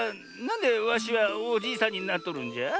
んでわしはおじいさんになっとるんじゃ？